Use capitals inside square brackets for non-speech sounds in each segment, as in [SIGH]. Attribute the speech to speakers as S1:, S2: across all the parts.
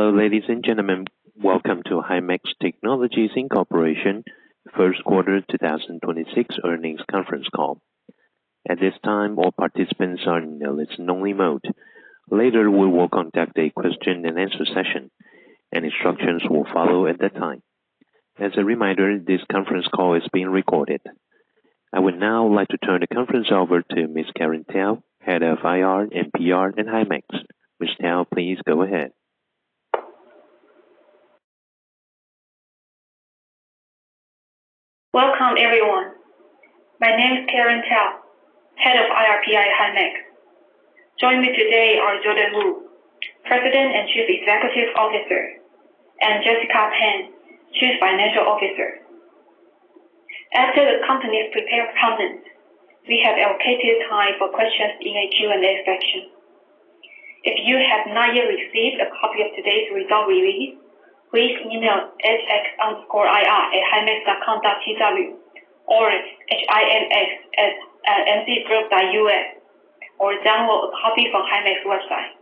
S1: Hello, ladies and gentlemen. Welcome to Himax Technologies Incorporation first quarter 2026 earnings conference call. At this time, all participants are in a listen-only mode. Later, we will conduct a question-and-answer session, and instructions will follow at that time. As a reminder, this conference call is being recorded. I would now like to turn the conference over to Ms. Karen Tiao, Head of IR and PR in Himax. Ms. Tiao, please go ahead.
S2: Welcome, everyone. My name is Karen Tiao, Head of IR/PR at Himax. Joining me today are Jordan Wu, President and Chief Executive Officer, and Jessica Pan, Chief Financial Officer. After the company's prepared comments, we have allocated time for questions in a Q&A section. If you have not yet received a copy of today's result release, please email hx_ir@himax.com.tw or HIMX@mzgroup.us or download a copy from Himax website.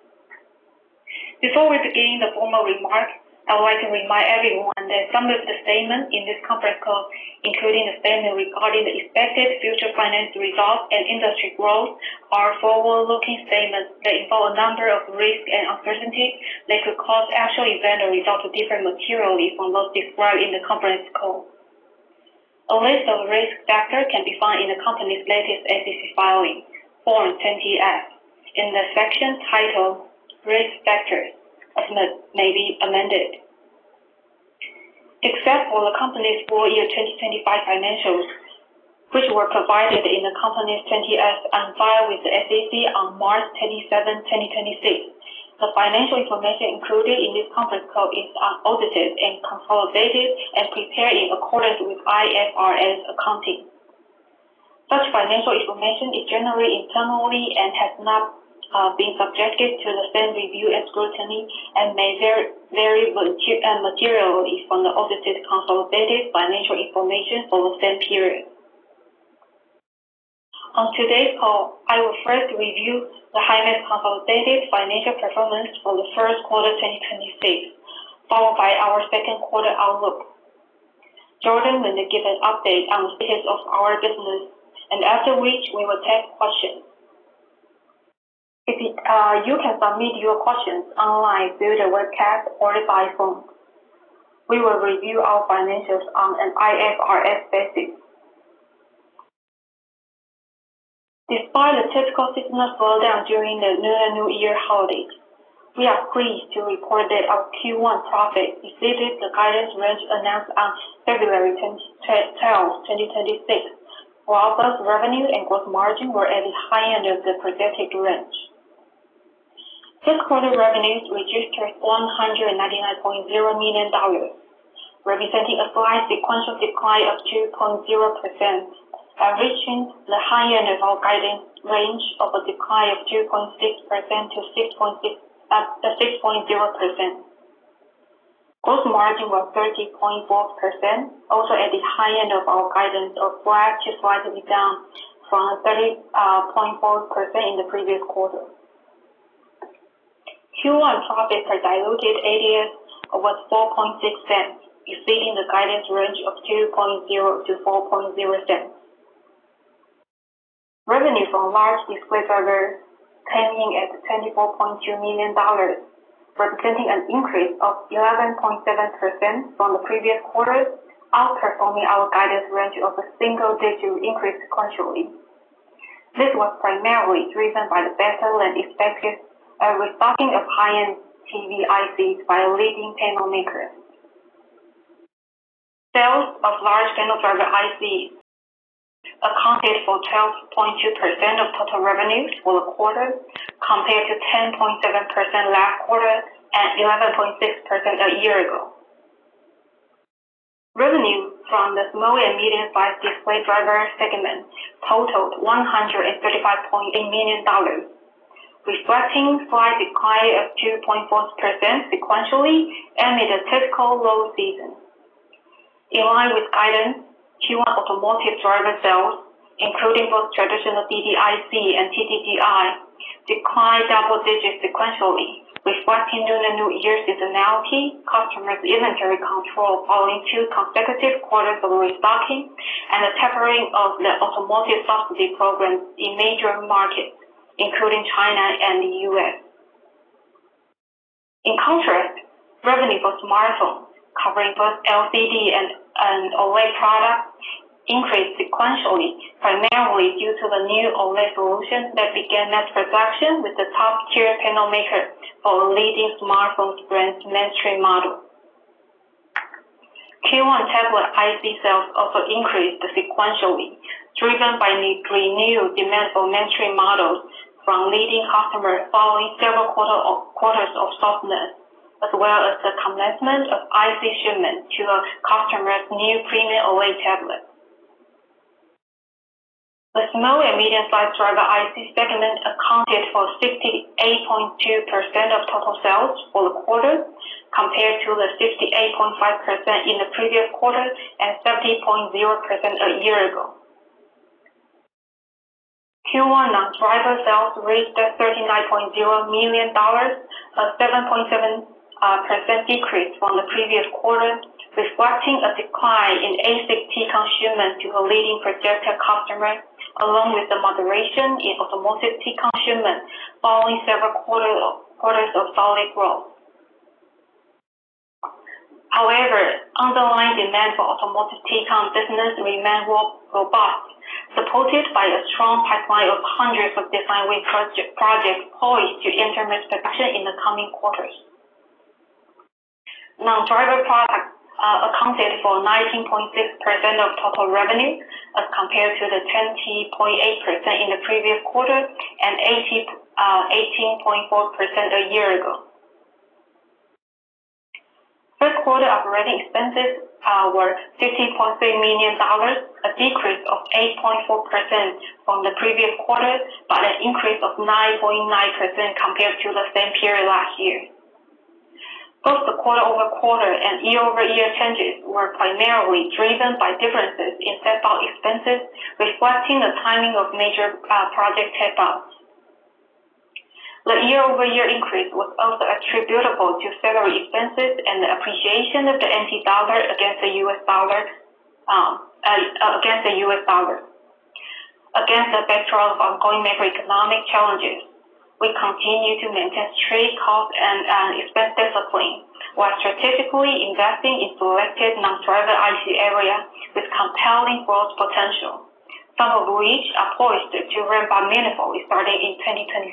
S2: Before we begin the formal remarks, I would like to remind everyone that some of the statements in this conference call, including the statement regarding the expected future financial results and industry growth, are forward-looking statements that involve a number of risks and uncertainties that could cause actual events or results to differ materially from those described in the conference call. A list of risk factors can be found in the company's latest SEC filing, Form 20-F, in the section titled Risk Factors, as it may be amended. Except for the company's full-year 2025 financials, which were provided in the company's 20-F on file with the SEC on March 27, 2026. The financial information included in this conference call is unaudited and consolidated and prepared in accordance with IFRS accounting. Such financial information is generally internally and has not been subjected to the same review as scrutiny and may vary materially from the audited consolidated financial information for the same period. On today's call, I will first review the Himax consolidated financial performance for the first quarter 2026, followed by our second quarter outlook. Jordan will then give an update on the status of our business, and after which we will take questions. If it.. You can submit your questions online through the webcast or by phone. We will review our financials on an IFRS basis. Despite the typical seasonal slowdown during the Lunar New Year holidays, we are pleased to report that our Q1 profit exceeded the guidance range announced on February 10, 12, 2026, while both revenue and gross margin were at the high end of the projected range. This quarter revenues registered $199.0 million, representing a slight sequential decline of 2.0% and reaching the high end of our guidance range of a decline of 2.6%-6.0%. Gross margin was 30.4%, also at the high end of our guidance of flat to slightly down from 30.4% in the previous quarter. Q1 profit per diluted ADS was $0.046, exceeding the guidance range of $0.020-$0.040. Revenue from large display drivers standing at $24.2 million, representing an increase of 11.7% from the previous quarter's outperforming our guidance range of a single-digit increase sequentially. This was primarily driven by the better-than-expected restocking of high-end TV ICs by a leading panel maker. Sales of large panel driver IC accounted for 12.2% of total revenues for the quarter, compared to 10.7% last quarter and 11.6% a year ago. Revenue from the small and medium-sized display driver segment totaled $135.8 million, reflecting slight decline of 2.4% sequentially amid a typical low season. In line with guidance, Q1 automotive driver sales, including both traditional DDIC and TDDI, declined double digits sequentially, reflecting Lunar New Year seasonality, customers' inventory control following two consecutive quarters of restocking, and the tapering of the automotive subsidy programs in major markets, including China and the U.S. In contrast, revenue for smartphone, covering both LCD and OLED products, increased sequentially, primarily due to the new OLED solution that began mass production with the top-tier panel maker for a leading smartphone brand's mainstream model. Q1 tablet IC sales also increased sequentially, driven by renewed demand for mainstream models from leading customers following several quarters of softness, as well as the commencement of IC shipments to a customer's new premium OLED tablet. The small and medium-sized driver IC segment accounted for 68.2% of total sales for the quarter, compared to the 68.5% in the previous quarter and 30.0% a year ago. Q1 non-driver sales reached $39.0 million, a 7.7% decrease from the previous quarter, reflecting a decline in ASIC TCON shipments to a leading projector customer, along with the moderation in automotive TCON shipments following several quarters of solid growth. However, underlying demand for automotive TCON business remained robust, supported by a strong pipeline of hundreds of design win projects poised to enter mass production in the coming quarters. Non-driver products accounted for 19.6% of total revenue as compared to the 20.8% in the previous quarter and 18.4% a year ago. Third quarter operating expenses were $15.3 million, a decrease of 8.4% from the previous quarter, but an increase of 9.9% compared to the same period last year. Both the quarter-over-quarter and year-over-year changes were primarily driven by differences in stock-based compensation expenses, reflecting the timing of major project take-ups. The year-over-year increase was also attributable to several expenses and the appreciation of the NT dollar against the U.S. dollar, against the U.S. dollar. Against the backdrop of ongoing macroeconomic challenges, we continue to maintain strict cost and expense discipline while strategically investing in selected non-driver IC areas with compelling growth potential, some of which are poised to ramp by meaningfully starting in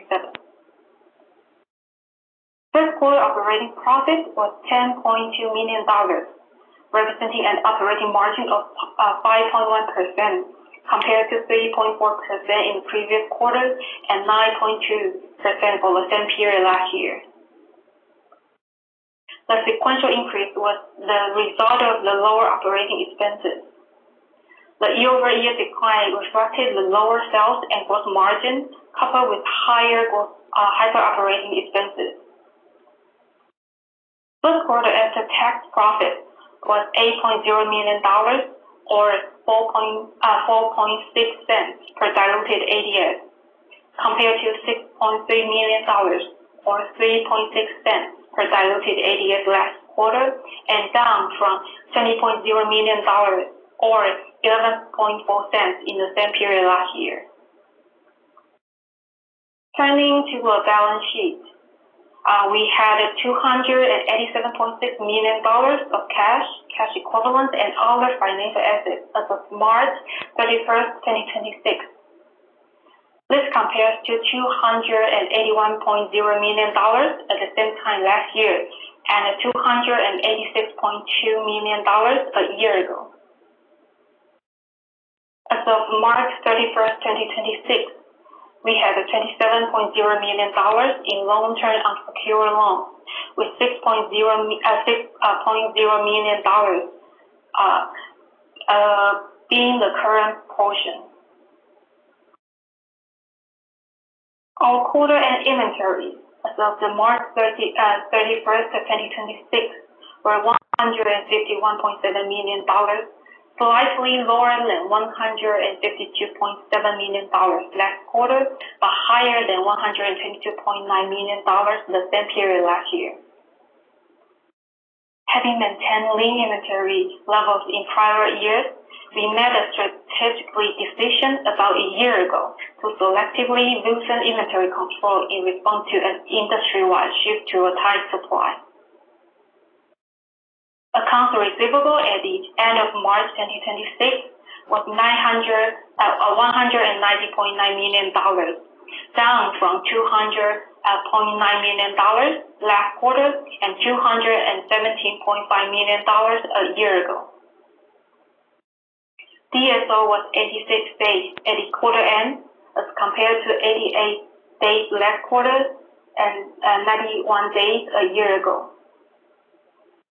S2: 2027. Third quarter operating profit was $10.2 million, representing an operating margin of 5.1% compared to 3.4% in previous quarters and 9.2% for the same period last year. The sequential increase was the result of the lower operating expenses. The year-over-year decline reflected the lower sales and gross margin, coupled with higher operating expenses. Third quarter after-tax profit was $8.0 million or $0.046 per diluted ADS, compared to $6.3 million or $0.036 per diluted ADS last quarter and down from $20.0 million or $0.114 in the same period last year. Turning to our balance sheet. We had $287.6 million of cash equivalents and other financial assets as of March 31st, 2026. This compares to $281.0 million at the same time last year and $286.2 million a year ago. As of March 31st, 2026, we had $27.0 million in long-term unsecured loans with $6.0 million being the current portion. Our quarter-end inventory as of the March 31st, 2026, were $151.7 million, slightly lower than $152.7 million last quarter, but higher than $122.9 million the same period last year. Having maintained lean inventory levels in prior years, we made a strategic decision about a year ago to selectively loosen inventory control in response to an industry-wide shift to a tight supply. Accounts receivable at the end of March 2026 was $190.9 million, down from $200.9 million last quarter and $217.5 million a year ago. DSO was 86 days at the quarter end as compared to 88 days last quarter and 91 days a year ago.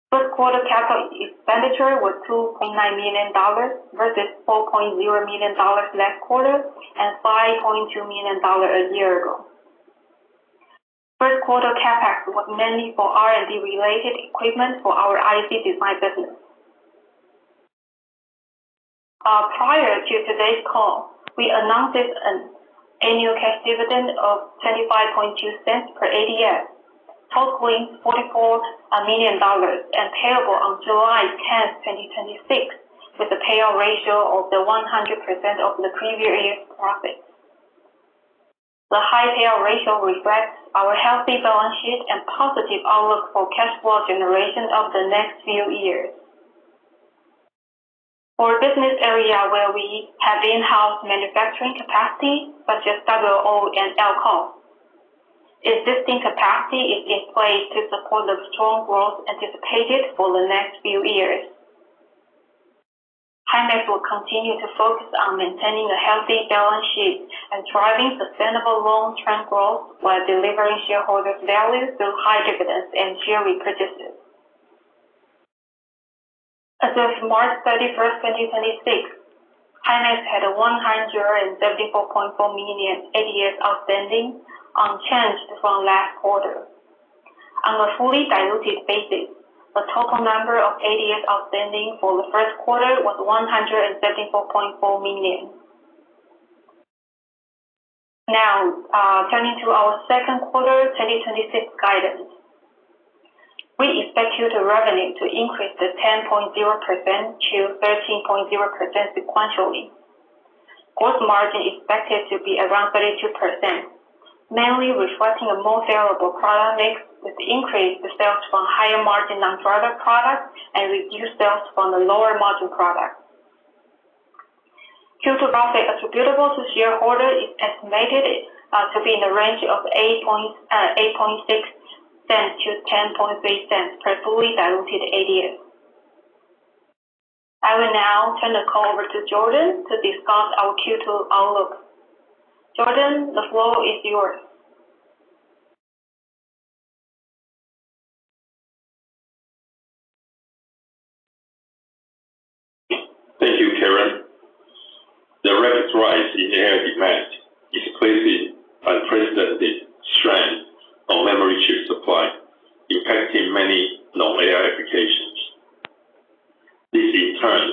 S2: First quarter capital expenditure was $2.9 million versus $4.0 million last quarter and $5.2 million a year ago. First quarter CapEx was mainly for R&D related equipment for our IC design business. Prior to today's call, we announced an annual cash dividend of $0.252 per ADS, totaling $44 million and payable on July 10, 2026, with a payout ratio of 100% of the previous year's profit. The high payout ratio reflects our healthy balance sheet and positive outlook for cash flow generation over the next few years. For business area where we have in-house manufacturing capacity, such as WLO and LCoS, existing capacity is in place to support the strong growth anticipated for the next few years. Himax will continue to focus on maintaining a healthy balance sheet and driving sustainable long-term growth while delivering shareholder value through high dividends and share repurchases. As of March 31st, 2026, Himax had 174.4 million ADS outstanding, unchanged from last quarter. On a fully diluted basis, the total number of ADS outstanding for Q1 was 174.4 million. Turning to our second quarter 2026 guidance. We expect Q2 revenue to increase to 10.0%-13.0% sequentially. Gross margin expected to be around 32%, mainly reflecting a more saleable product mix with increased sales from higher margin non-driver products and reduced sales from the lower margin products. Q2 profit attributable to shareholder is estimated to be in the range of $0.086-$0.103 per fully diluted ADS. I will now turn the call over to Jordan to discuss our Q2 outlook. Jordan, the floor is yours.
S3: Thank you, Karen. The rapid rise in AI demand is placing unprecedented strain on memory chip supply, impacting many non-AI applications. This, in turn,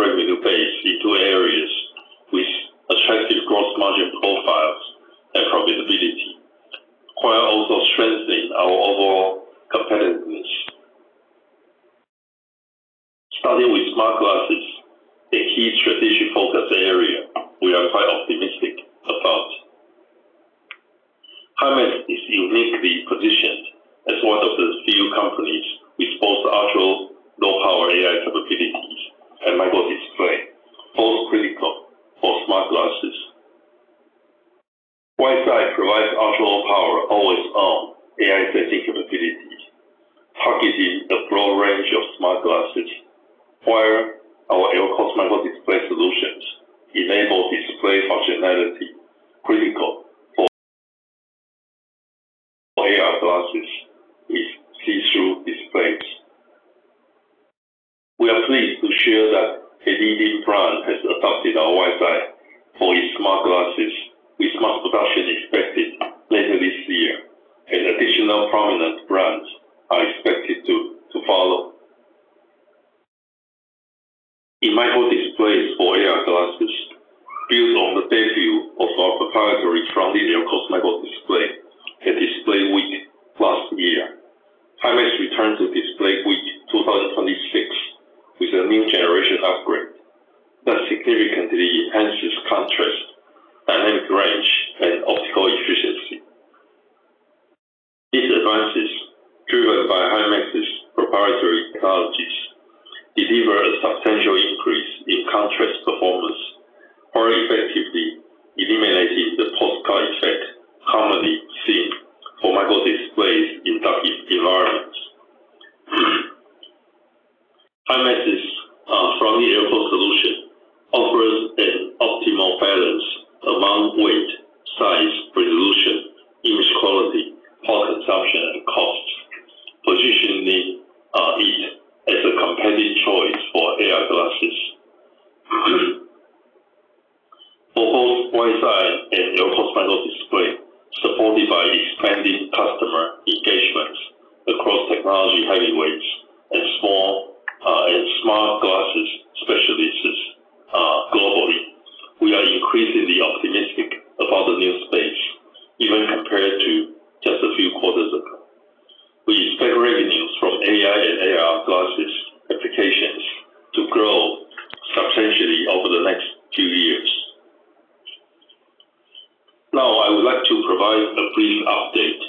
S3: revenue base into areas with attractive gross margin profiles and profitability, while also strengthening our overall competitiveness. Starting with smart glasses, a key strategic focus area we are quite optimistic about. Himax is uniquely positioned as one of the few companies with both ultra-low power AI capabilities and microdisplay, both critical for smart glasses. WiseEye provides ultra-low power always-on AI sensing capabilities, targeting a broad range of smart glasses. While our LCoS microdisplay solutions enable display functionality critical for AR glasses with see-through displays. We are pleased to share that a leading brand has adopted our WiseEye for its smart glasses with mass production expected later this year, and additional prominent brands are expected to follow. In microdisplays for AR glasses, built on the debut of our proprietary Front-lit LCoS microdisplay at Display Week last year. Himax returned to Display Week 2026 with a new generation upgrade that significantly enhances contrast, dynamic range, and optical efficiency. These advances, driven by Himax's proprietary technologies, deliver a substantial increase in contrast performance or effectively eliminating the postcard effect commonly seen for microdisplays in dark environments. Himax's Front-lit LCoS solution offers an optimal balance among weight, size, resolution, image quality, power consumption, and cost, positioning it as a competitive choice for AR glasses. For both WiseEye and LCoS microdisplay, supported by expanded customer engagements across technology heavyweights and small and smart glasses specialists globally. We are increasingly optimistic about the new space, even compared to just a few quarters ago. We expect revenues from AI and AR glasses applications to grow substantially over the next few years. I would like to provide a brief update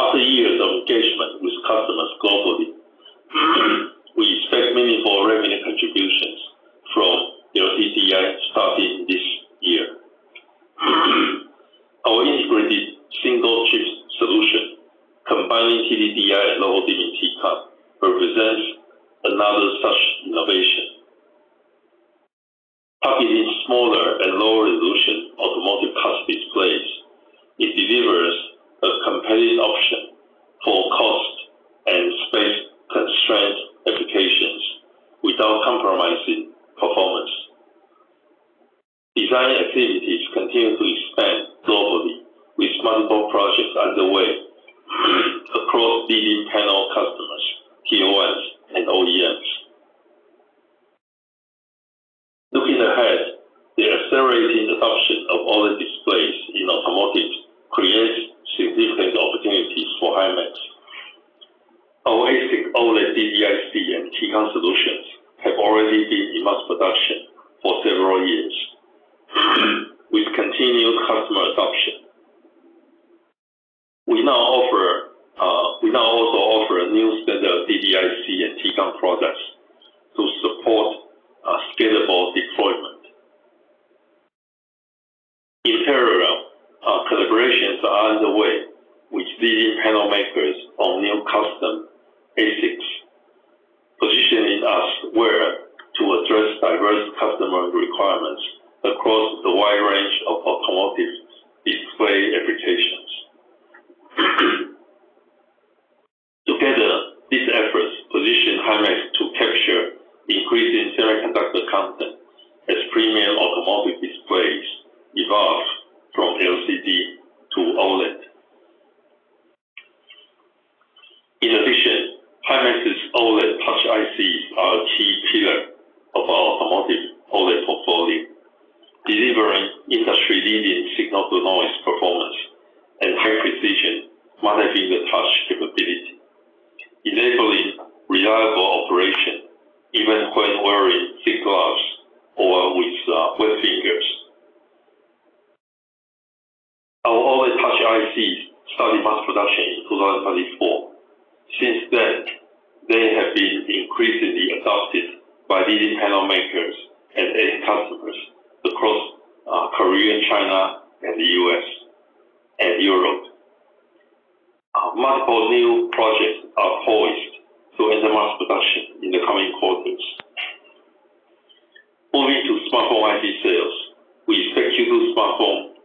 S3: After years of engagement with customers globally, we expect meaningful revenue contributions from LTDI starting this year. Our integrated single-chip solution, combining TDDI and low-density TCON, represents another such innovation. Targeting smaller and lower resolution automotive touch displays, it delivers a competitive option for cost and space-constrained applications without compromising performance. Design activities continue to expand globally with multiple projects underway across leading panel customers, Tier 1s, and OEMs. Looking ahead, the accelerating adoption of OLED displays in automotive creates significant opportunities for Himax. Our ASIC OLED DDIC and TCON solutions have already been in mass production for several years with continued customer adoption. We now also offer new standard DDIC and TCON products sales, we expect Q2 smartphone revenue, covering both LCD and OLED products, to decrease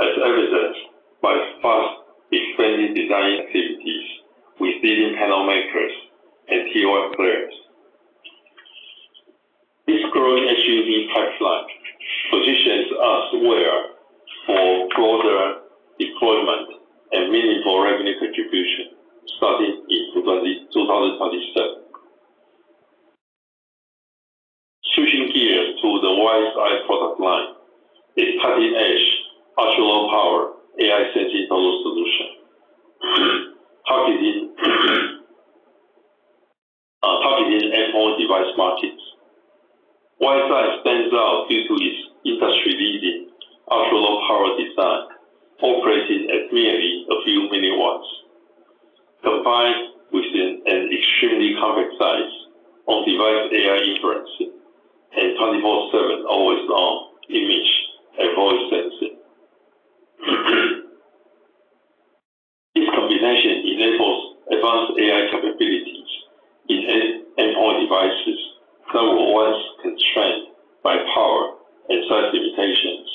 S3: as evidenced by fast-expanding design activities with leading panel makers and Tier 1 players. This growing SUV pipeline positions us well for broader deployment and meaningful revenue contribution starting in 2037. Switching gears to the WiseEye product line, a cutting-edge ultra-low power AI sensor node solution. Targeting endpoint device markets. WiseEye stands out due to its industry-leading ultra-low power design, operating at merely a few milliwatts. Combined with an extremely compact size, on-device AI inference, and 24/7 always-on image and voice sensing. This combination enables advanced AI capabilities in endpoint devices that were once constrained by power and size limitations,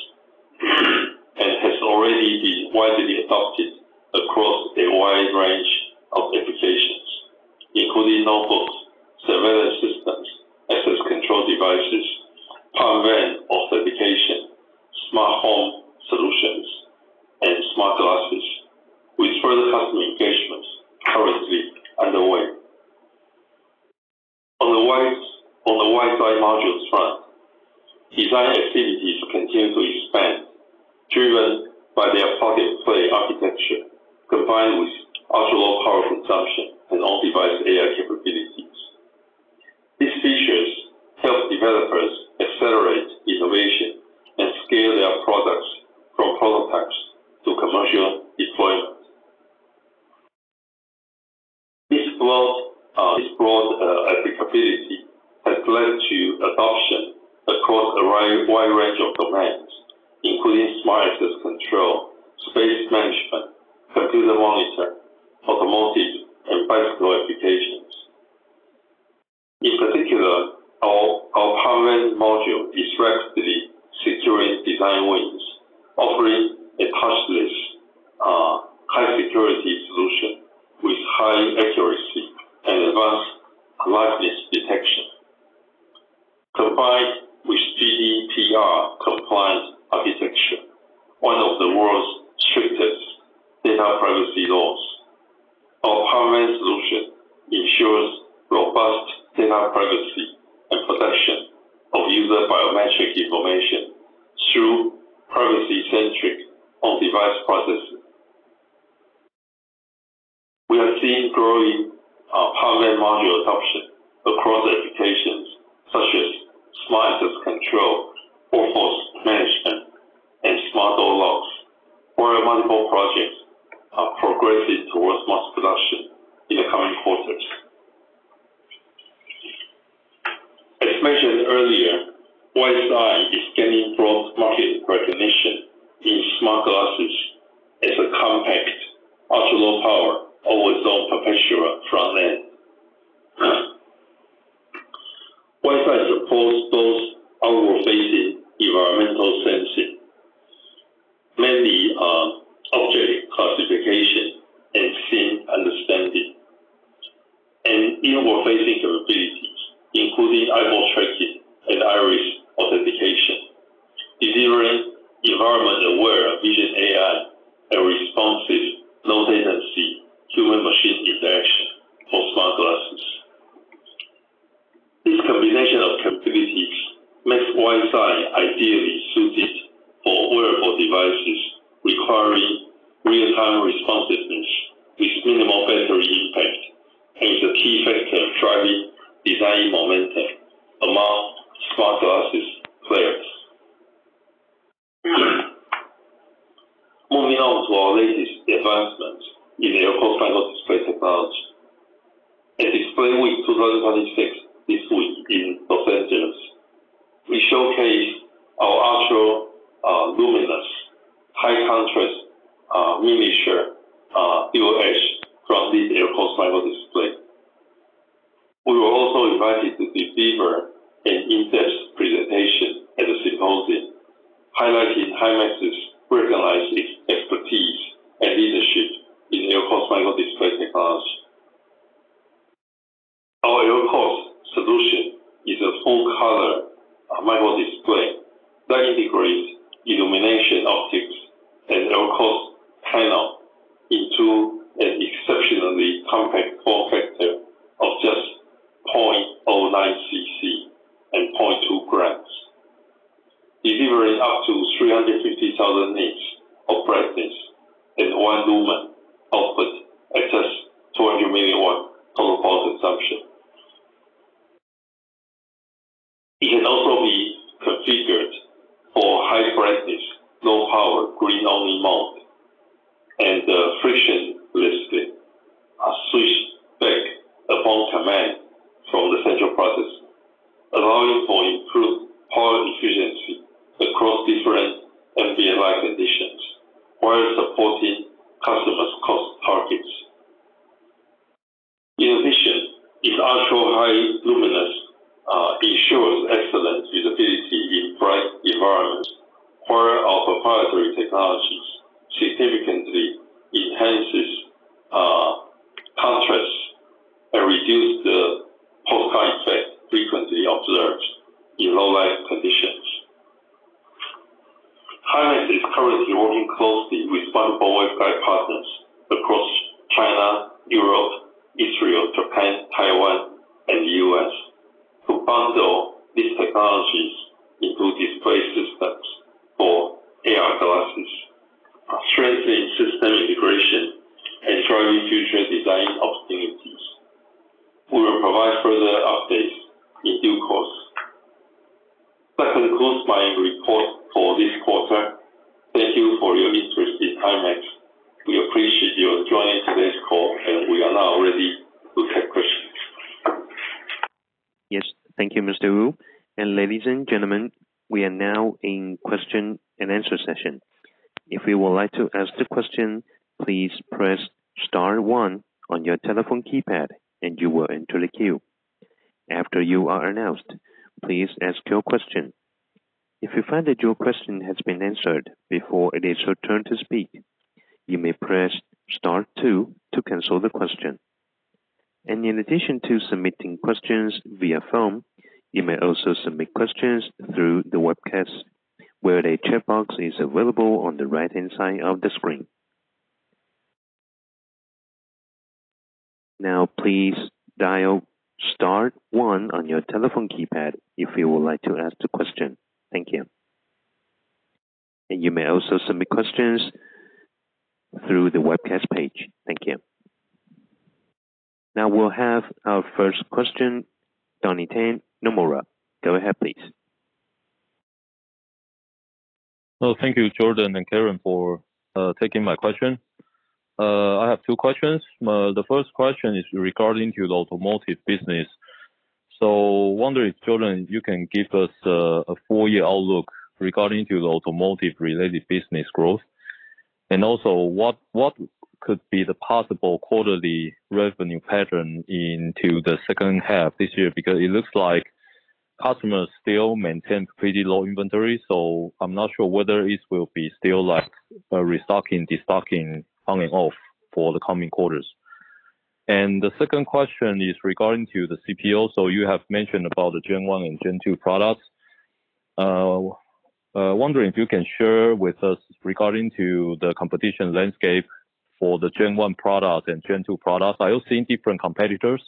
S3: and has already been widely adopted across a wide range of applications, including notebooks and smart glasses, with further customer engagements currently underway. On the WiseEye modules front, design activities continue to expand, driven by their plug-and-play architecture, combined with ultra-low power consumption and on-device AI capabilities. These features help developers accelerate innovation and scale their products from prototypes to commercial deployment. This broad applicability has led to adoption across a wide range of domains, including smart access control, space management, computer monitoring, automotive, and bicycle applications. In particular, our PalmVein module is rapidly securing design wins, offering a touchless, high security solution with high accuracy and advanced liveness detection. Combined with GDPR compliance architecture, one of the world's strictest data privacy laws, our PalmVein solution ensures robust data privacy and protection of user biometric information through privacy-centric on-device processing. We are seeing growing PalmVein module adoption across applications such as smart access control, workforce management, and smart door locks, where multiple projects are progressing towards mass production in the coming quarters. As mentioned earlier, WiseEye is gaining broad market recognition in smart glasses as a compact, ultra-low power, always-on perpetual front end. WiseEye supports those outward-facing environmental sensing. Mainly, object classification and scene understanding. Inward-facing capabilities, including eyeball tracking and iris authentication, It can also be configured for high brightness, low power, green-only mode, and uh..frictionlessly, switched back upon command from the central processor, allowing for improved power efficiency across different ambient light conditions while supporting customers' cost targets. In addition, its ultra-high luminous ensures excellent visibility in bright environments where our proprietary technologies significantly enhances contrast and reduce the postcard effect frequently observed in low light conditions. Himax is currently working closely with multiple WiseEye partners across China, Europe, Israel, Japan, Taiwan, and the U.S. to bundle these technologies into display systems for AR glasses, strengthening system integration and driving future design opportunities. We will provide further updates in due course. That concludes my report for this quarter. Thank you for your interest in Himax. We appreciate you joining today's call, and we are now ready to take questions.
S1: Yes. Thank you, Mr. Wu. Ladies and gentlemen, we are now in question-and-answer session. If you would like to ask a question, please press star one on your telephone keypad, and you will enter the queue. After you are announced, please ask your question. If you find that your question has been answered before it is your turn to speak, you may press star two to cancel the question. In addition to submitting questions via phone, you may also submit questions through the webcast, where a chat box is available on the right-hand side of the screen. Now please dial star one on your telephone keypad if you would like to ask a question. Thank you. You may also submit questions through the webcast page. Thank you. Now we'll have our first question, Donnie Teng, Nomura. Go ahead, please.
S4: Well, thank you, Jordan and Karen, for taking my question. I have two questions. The first question is regarding to the automotive business. Wondering, Jordan, if you can give us a full-year outlook regarding to the automotive-related business growth. Also, what could be the possible quarterly revenue pattern into the second half this year? Because it looks like customers still maintain pretty low inventory, so I'm not sure whether it will be still like a restocking, de-stocking coming off for the coming quarters. The second question is regarding to the CPO. You have mentioned about the Gen 1 and Gen 2 products. Wondering if you can share with us regarding to the competition landscape for the Gen 1 product and Gen 2 product. Are you seeing different competitors?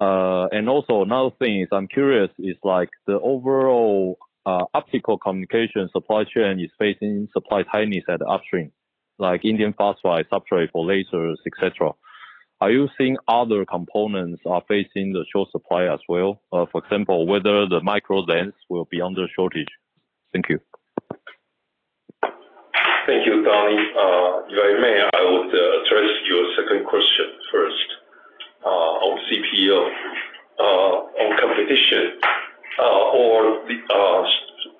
S4: Also another thing is I'm curious is like the overall optical communication supply chain is facing supply tightness at upstream, like indium phosphide substrate for lasers, et cetera. Are you seeing other components are facing the short supply as well? For example, whether the micro lens will be under shortage. Thank you.
S3: Thank you, Donnie. If I may, I would address your second question first, on CPO, on competition, or the,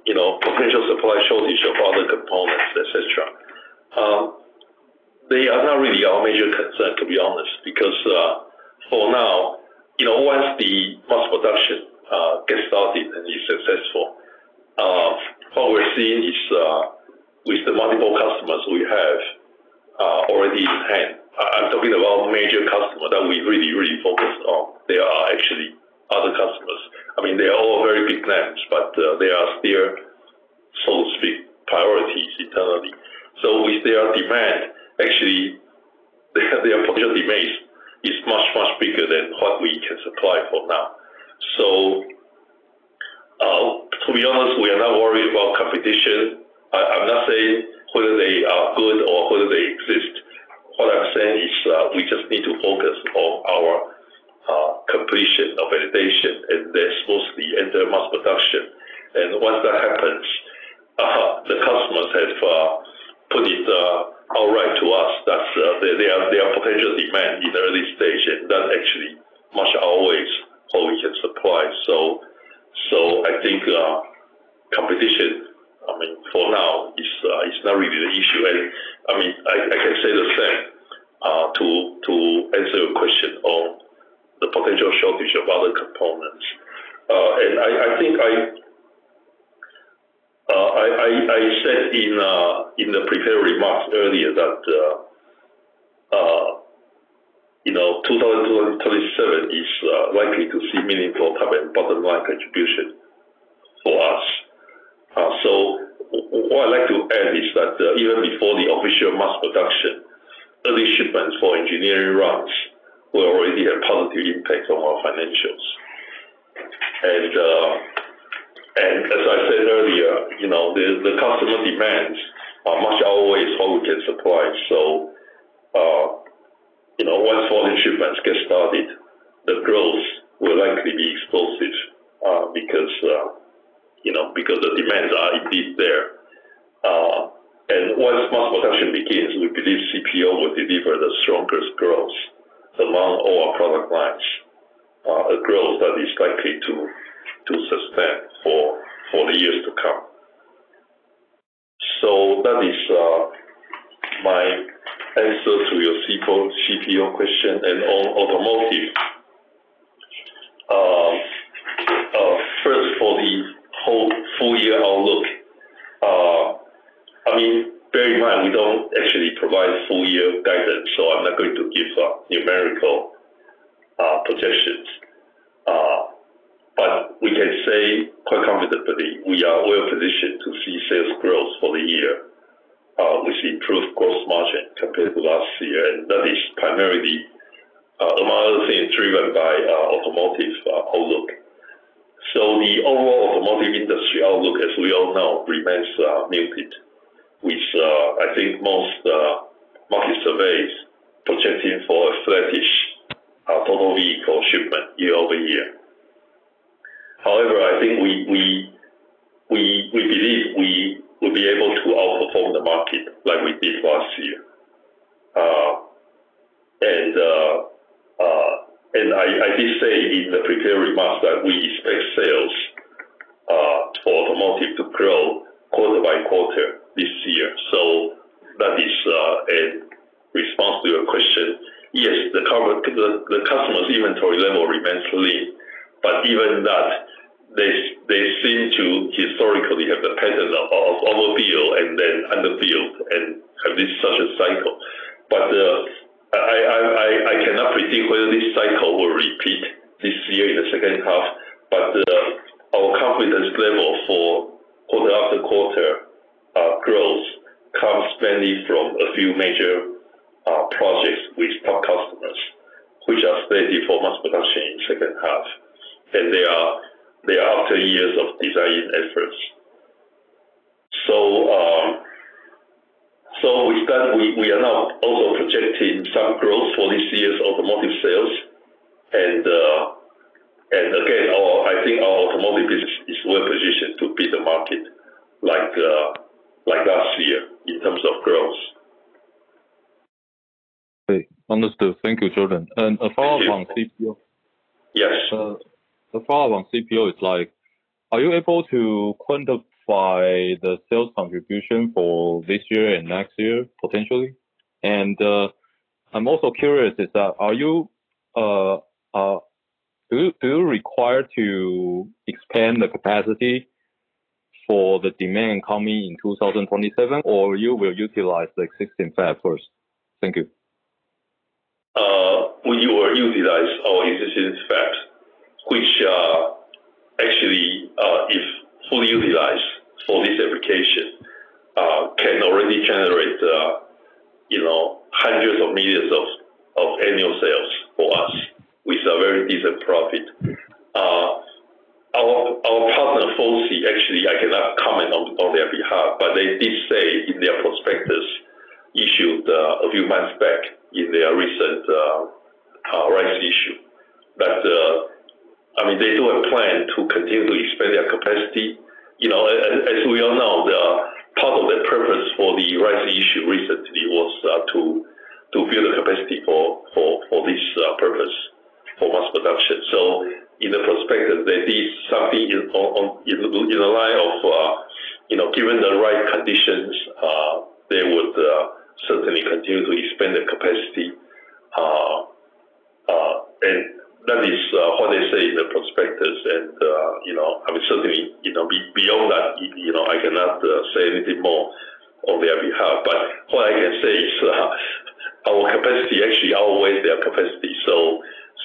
S3: you know, potential supply shortage of other components, etc. They are not really our major concern, to be honest, because for now, you know, once the mass production gets started and is successful, what we're seeing is with the multiple customers we have already in hand. I'm talking about major customers that we really focus on. There are actually other customers. I mean, they are all very big clients, but they are still, so to speak, priorities internally. With their demand, actually they have their potential demand is much bigger than what we can supply for now. To be honest, we are not worried about competition. I'm not saying whether they are good or whether they exist. What I'm saying is, we just need to focus on our completion of validation, then smoothly enter mass production. Once that happens, the customers have put it alright to us that they are potential demand in early stage, and that actually much outweighs what we can supply. I think competition, I mean, for now is not really the issue. I mean, I can say the same to answer your question on the potential shortage of other components. I think I said in the prepared remarks earlier that, you know, 2027 is likely to see meaningful top and bottom line contribution for us. What I'd like to add is that even before the official mass production, early shipments for engineering runs will already have positive impact on our financials. As I said earlier, you know, the customer demands are much outweighs what we can supply. Once volume shipments get started, the growth will likely be explosive because the demands are indeed there. Once mass production begins, we believe CPO will deliver the strongest growth among all our product lines. A growth that is likely to sustain for the years to come. That is my answer to your CPO question and on automotive. First, for the whole full-year outlook. I mean, bear in mind, we don't actually provide full-year guidance, so I'm not going to give numerical projections. We can say quite confidently, we are well positioned to see sales growth for the year, with improved gross margin compared to last year. That is primarily, among other things, driven by automotive's outlook. The overall automotive industry outlook, as we all know, remains muted. With, I think most market surveys projecting for a sluggish total vehicle shipment year-over-year. However, I think we believe we will be able to outperform the market like we did last year. I did say in the prepared remarks that we expect sales for automotive to grow quarter-by-quarter this year. That is a response to your question. Yes, the customers' inventory level remains lean, but even that, they seem to [INAUDIBLE] ...have this such a cycle. I cannot predict whether this cycle will repeat this year in the second half. Our confidence level for quarter-after-quarter growth comes mainly from a few major projects with top customers, which are steady for mass production in second half. They are after years of design efforts. With that, we are now also projecting some growth for this year's automotive sales. Again, I think our automotive business is well-positioned to beat the market like last year in terms of growth.
S4: Okay. Understood. Thank you, Jordan. A follow-up on CPO-
S3: Yes.
S4: ...a follow-up on CPO is, like, are you able to quantify the sales contribution for this year and next year potentially? I'm also curious is that are you, do you require to expand the capacity for the demand coming in 2027, or you will utilize the existing fab first? Thank you.
S3: We will utilize our existing fab, which, actually, if fully utilized for this application, can already generate, you know, hundreds of millions of annual sales for us with a very decent profit. Our partner, FOCI, actually, I cannot comment on their behalf, but they did say in their prospectus issued a few months back in their recent rights issue that, I mean, they do have plan to continue to expand their capacity. You know, as we all know, the part of their purpose for the rights issue recently was to build the capacity for this purpose, for mass production. In the prospectus, they did something in the line of, you know, given the right conditions, they would certainly continue to expand the capacity. That is what they say in the prospectus. You know, I mean, certainly, you know, beyond that, you know, I cannot say anything more on their behalf. What I can say is, our capacity actually outweighs their capacity.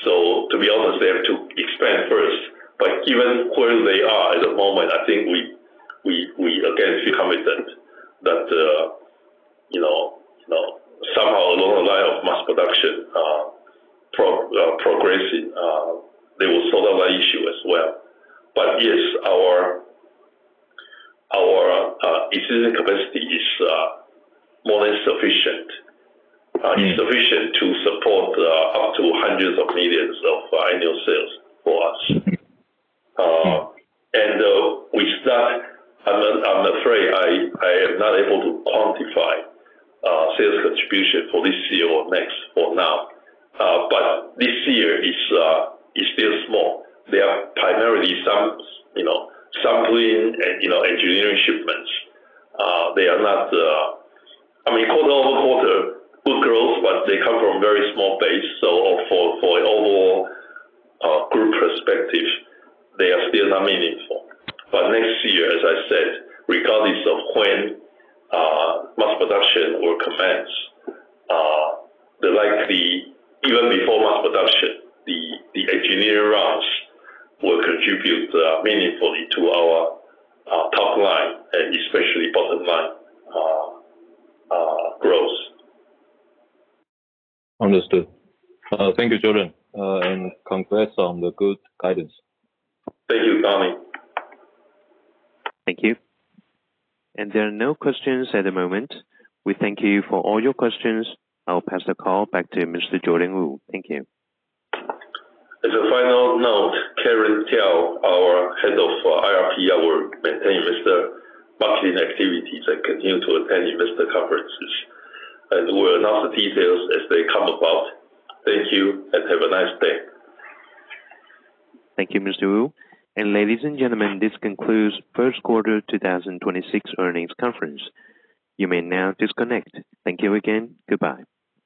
S3: To be honest, they have to expand first. Given where they are at the moment, I think we again feel confident that, you know, you know, somehow along the line of mass production, progressing, they will sort out that issue as well. Yes, our existing capacity is more than sufficient. It's sufficient to support up to hundreds of millions of annual sales for us.
S4: Mm-hmm. Mm-hmm.
S3: And with that, I'm afraid I am not able to quantify sales contribution for this year or next for now. But this year is still small. They are primarily sampling and, you know, engineering shipments. They are not, I mean, quarter-over-quarter, good growth, but they come from very small base. For an overall group perspective, they are still not meaningful. Next year, as I said, regardless of when mass production will commence, the likely, even before mass production, the engineering runs will contribute meaningfully to our top line and especially bottom-line growth.
S4: Understood. Thank you, Jordan. Congrats on the good guidance.
S3: Thank you, Donnie.
S1: Thank you. There are no questions at the moment. We thank you for all your questions. I'll pass the call back to Mr. Jordan Wu. Thank you.
S3: As a final note, Karen Tiao, our Head of IR/PR, will maintain investor marketing activities and continue to attend investor conferences. We'll announce the details as they come about. Thank you. Have a nice day.
S1: Thank you, Mr. Wu. Ladies and gentlemen, this concludes first quarter 2026 earnings conference. You may now disconnect. Thank you again. Goodbye.